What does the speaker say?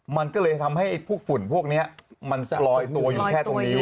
มันก็เลยทำให้พวกฝุ่นพวกนี้มันลอยตัวอยู่แค่ตรงนี้